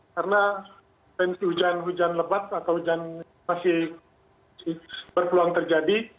karena hujan hujan lebat atau hujan masih berpeluang terjadi